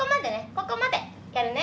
ここまでやるね。